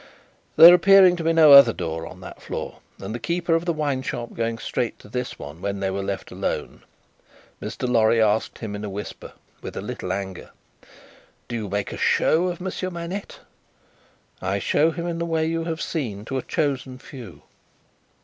There appearing to be no other door on that floor, and the keeper of the wine shop going straight to this one when they were left alone, Mr. Lorry asked him in a whisper, with a little anger: "Do you make a show of Monsieur Manette?" "I show him, in the way you have seen, to a chosen few."